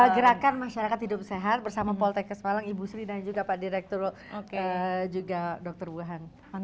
gerakan masyarakat hidup sehat bersama poltec kesepalang ibu sri dan juga pak direktur juga dokter buahan